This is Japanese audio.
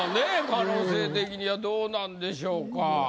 可能性的にはどうなんでしょうか。